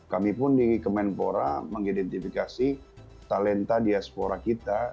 kami pun di kemenpora mengidentifikasi talenta diaspora kita